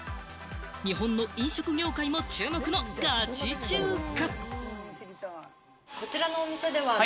日本の飲食業界も注目のガチ中華。